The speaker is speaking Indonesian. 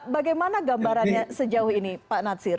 bagaimana gambarannya sejauh ini pak natsir